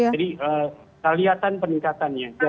jadi kelihatan peningkatannya